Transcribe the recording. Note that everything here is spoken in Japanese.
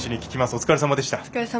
お疲れさまでした。